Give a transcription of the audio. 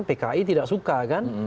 pki tidak suka kan